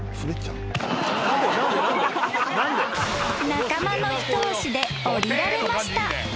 ［仲間の一押しで下りられました］